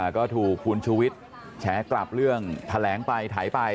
ก็ถูกคุณชุวิตแชร์กลับเรื่องแถลงไปไถไป